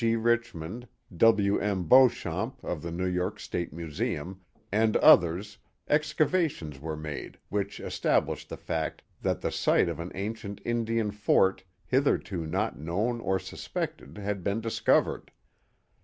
G. Richmond, W. M. Beauchamp of the New York State Mu seum, and others, excavations were made which estabh'shed the fact that the site of an ancient Indian fort, hitherto not known or suspected, had been discovered.